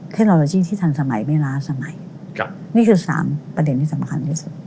เทคโนโลยีที่ทันสมัยไม่ล้าสมัยนี่คือสามประเด็นที่สำคัญที่สุด